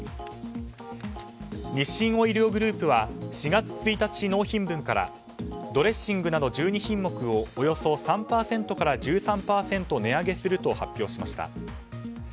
日清オイリオグループは４月１日納品分からドレッシングなど１２品目をおよそ３％から１３％値上げすると発表しました。